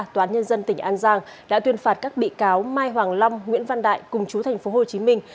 toán nhân dân tỉnh an giang đã tuyên phạt các bị cáo mai hoàng long nguyễn văn đại cùng chú thành phố hồ chí minh